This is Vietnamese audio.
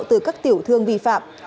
từ các tiểu thương vi phạm